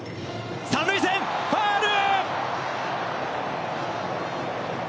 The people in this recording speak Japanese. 三塁線ファール！